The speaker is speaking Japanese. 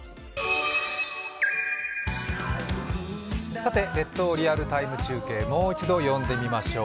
さて、「列島リアルＴＩＭＥ！中継」もう一度呼んでみましょう。